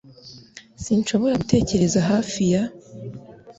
Sinshobora gutegereza hafi ya